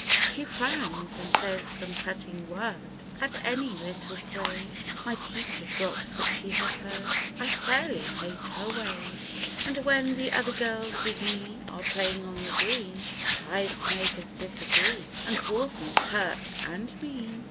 "She frowns, and says some cutting word At any little praise My teacher drops that she has heard; I fairly hate her ways ! "And when the other girls with me Are playing on the green, She tries to make us disagree, And calls me pert and mean.